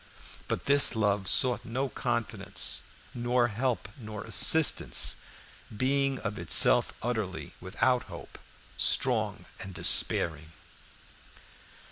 But this love sought no confidence, nor help, nor assistance, being of itself utterly without hope, strong and despairing.